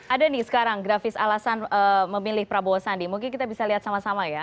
ada nih sekarang grafis alasan memilih prabowo sandi mungkin kita bisa lihat sama sama ya